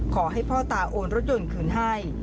ขอให้พ่อตาโอนรถยนต์คืนให้